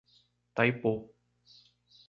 Taipu